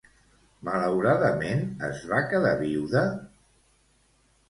Malauradament, es va quedar viuda?